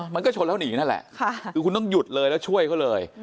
มันก็ชนแล้วหนีนั่นแหละคือคุณต้องหยุดเลยแล้วช่วยเขาเลย